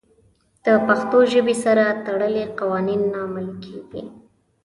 د پښتو ژبې سره تړلي قوانین نه عملي کېږي.